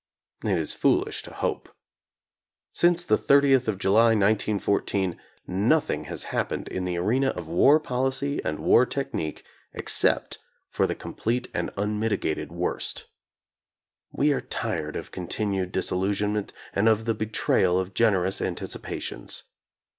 It is foolish to hope. Since the 30th of July, 1914, nothing has happened in the arena of war policy and war technique except for the com plete and unmitigated worst. We are tired of continued disillusionment, and of the betrayal of generous anticipations.